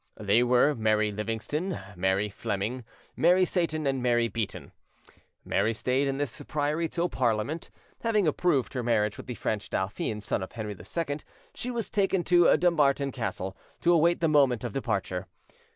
They were Mary Livingston, Mary Fleming, Mary Seyton, and Mary Beaton. Mary stayed in this priory till Parliament, having approved her marriage with the French dauphin, son of Henry II, she was taken to Dumbarton Castle, to await the moment of departure.